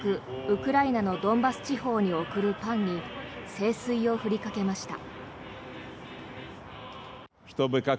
ウクライナのドンバス地方に送るパンに聖水を振りかけました。